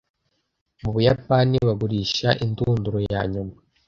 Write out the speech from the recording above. Mu Buyapani bagurisha indunduro yanyuma